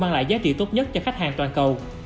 mang lại giá trị tốt nhất cho khách hàng toàn cầu